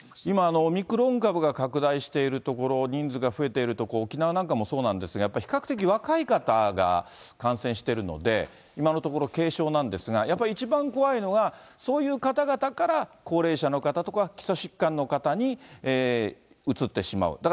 今、オミクロン株が拡大している所、人数が増えているところ、沖縄なんかもそうなんですが、やっぱり比較的若い方が感染しているので、今のところ、軽症なんですが、やっぱり一番怖いのが、そういう方々から高齢者の方とか、基礎疾患の方にうつってしまう。